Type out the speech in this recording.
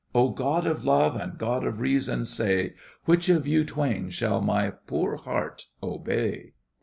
Oh, god of love, and god of reason, say, Which of you twain shall my poor heart obey!